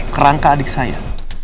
kerangka adik saya